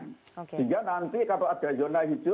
sehingga nanti kalau ada zona hijau